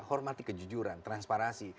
hormati kejujuran transparansi